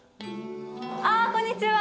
ああ、こんにちは。